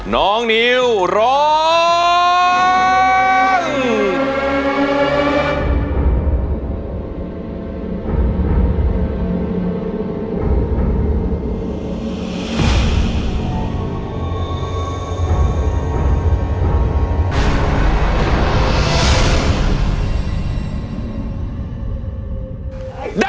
น้องนิวร้อง